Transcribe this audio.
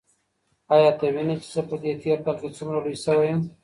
ایا ته وینې چې زه په دې تېر کال کې څومره لوی شوی یم؟